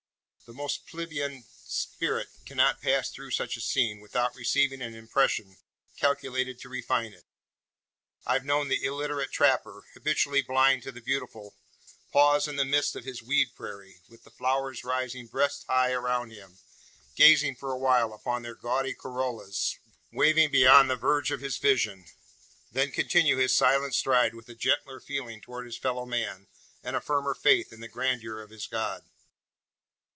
The most plebeian spirit cannot pass through such a scene without receiving an impression calculated to refine it. I've known the illiterate trapper habitually blind to the beautiful pause in the midst of his "weed prairie," with the flowers rising breast high around him, gaze for a while upon their gaudy corollas waving beyond the verge of his vision; then continue his silent stride with a gentler feeling towards his fellow man, and a firmer faith in the grandeur of his God.